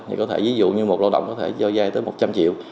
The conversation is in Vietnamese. thì có thể ví dụ như một lao động có thể cho vay tới một trăm linh triệu